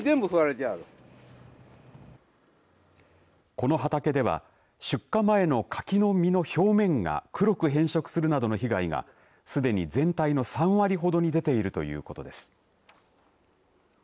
この畑では出荷前の柿の実の表面が黒く変色するなどの被害がすでに全体の３割ほどに出ているということです。